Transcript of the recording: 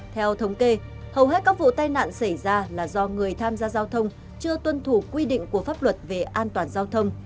theo thống kê hầu hết các vụ tai nạn xảy ra là do người tham gia giao thông chưa tuân thủ quy định của pháp luật về an toàn giao thông